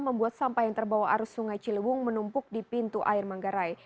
membuat sampah yang terbawa arus sungai ciliwung menumpuk di pintu air manggarai